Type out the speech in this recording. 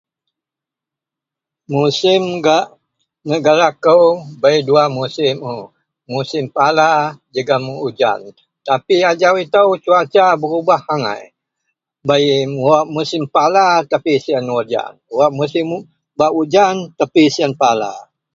Musim gak negara kou bei dua musim un. Musim pala jegem ujan tapi ajau ito cuaca berubah angai bei wak musim pala tapi siyen ujan wak bak ujan tapi siyen pala.